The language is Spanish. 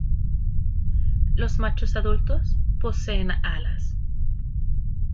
Los machos adultos poseen alas.